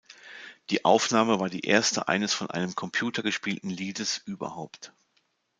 Die Aufnahme war die erste eines von einem Computer gespielten Liedes überhaupt.